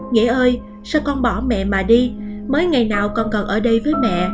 nghĩa ơi sao con bỏ mẹ mà đi mới ngày nào con còn ở đây với mẹ